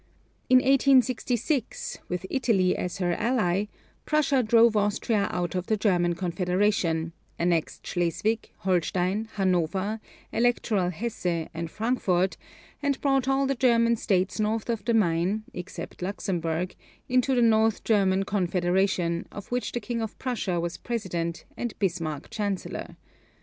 In 1866, with Italy as her ally, Prussia drove Austria out of the German Confederation; annexed Schleswig, Holstein, Hanover, Electoral Hesse, and Frankfort; and brought all the German States north of the Main, except Luxemburg, into the North German Confederation, of which the King of Prussia was President and Bismarck Chancellor.